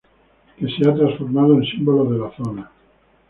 Que se han transformado en símbolos de la zona.